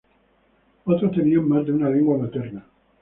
Otros tenían más de una lengua materna.